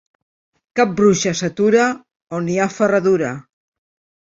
Cap bruixa s'atura on hi ha ferradura.